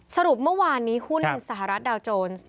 สรุปเมื่อวานนี้หุ้นสหรัฐดาวโจรบวกหรือคะ